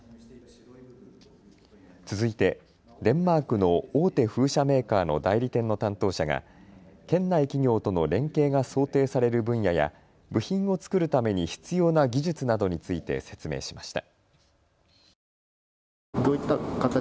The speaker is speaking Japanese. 続いてデンマークの大手風車メーカーの代理店の担当者が県内企業との連携が想定される分野や部品を作るために必要な技術などについて説明しました。